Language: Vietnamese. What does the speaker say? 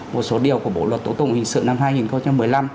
một số điều của bộ luật tố tụng hình sự năm hai nghìn một mươi năm